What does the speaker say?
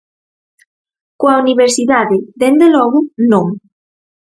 Coa universidade, dende logo, non.